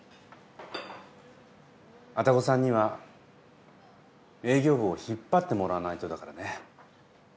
愛宕さんには営業部を引っ張ってもらわないとだからね。